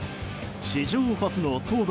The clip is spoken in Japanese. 史上初の投打